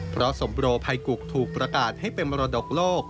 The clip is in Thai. เพราะสมโปรภัยกุกถูกประกาศให้เป็นมรดกโลก